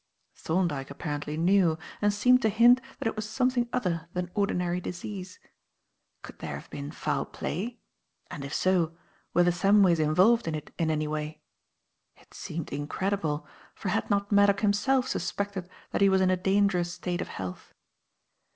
Thorndyke apparently knew, and seemed to hint that it was something other than ordinary disease. Could there have been foul play? And, if so, were the Samways involved in it in any way? It seemed incredible, for had not Maddock himself suspected that he was in a dangerous state of health.